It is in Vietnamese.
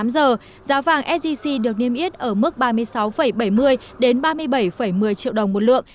tám giờ giá vàng sgc được niêm yết ở mức ba mươi sáu bảy mươi đến ba mươi bảy một mươi triệu đồng một lượng